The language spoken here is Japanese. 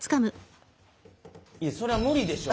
いやそりゃ無理でしょ。